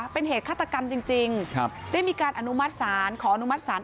เป็นเหตุฆาตกรรมจริงได้มีการอนุมัติศาล